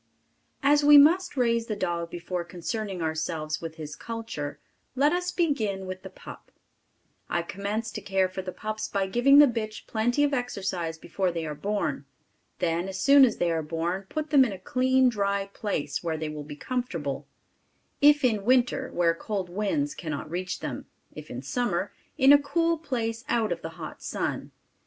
As we must raise the dog before concerning ourselves with his culture, let us begin with the pup. I commence to care for the pups by giving the bitch plenty of exercise before they are born. Then as soon as they are born, put them in a clean, dry place, where they will be comfortable, if in winter, where cold winds cannot reach them; if in summer, in a cool place out of the hot sun.